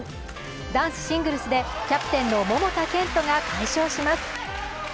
男子シングルスでキャプテンの桃田賢斗が快勝します。